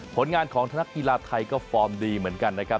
ผลงานของนักกีฬาไทยก็ฟอร์มดีเหมือนกันนะครับ